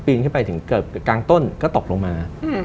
ขึ้นไปถึงเกือบกลางต้นก็ตกลงมา